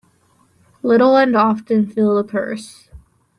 Little and often fill the purse.